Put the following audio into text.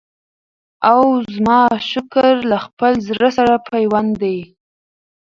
او زما شکر له خپل زړه سره پیوند دی